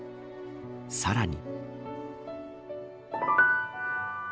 さらに。